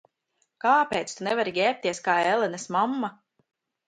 Kāpēc tu nevari ģērbties kā Elenas mamma?